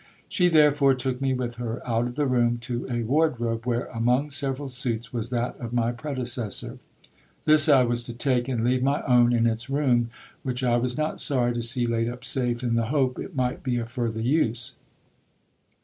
She therefore took me with her out of the room to a ward robe, where, among several suits, was that of my predecessor. This I was to take, and leave my own in its room, which I was not sorry to see laid up safe, in the hope it might be of further use.